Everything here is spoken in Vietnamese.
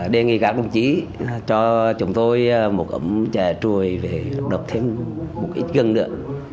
đề nghị các công chí cho chúng tôi một ấm chè trùi để đập thêm một ít gân nữa